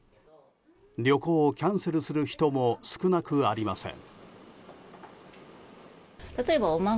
旅行をキャンセルする人も少なくありません。